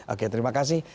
oke terima kasih